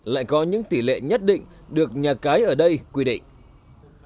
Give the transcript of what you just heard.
lại có những tỷ lệ nhất định được nhà cái ở đây quy định